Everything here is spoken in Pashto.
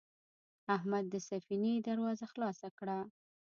احمد د سفینې دروازه خلاصه کړه.